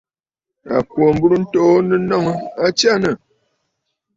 À kwǒ mburə ntoonə nnɔŋ, a tsyânə̀!